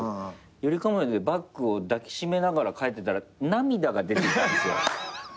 ゆりかもめでバッグを抱き締めながら帰ってたら涙が出てきたんですよ。